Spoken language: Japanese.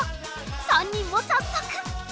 ３人も早速！